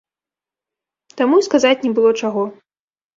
Таму і сказаць не было чаго.